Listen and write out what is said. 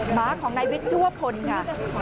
หมาของนายวิทย์ชื่อว่าพลค่ะ